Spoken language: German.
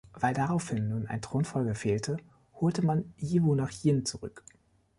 Weil daraufhin nun ein Thronfolger fehlte, holte man Yiwu nach Jin zurück.